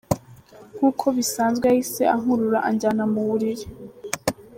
Nkuko bisanzwe yahise ankurura anjyana mu buriri.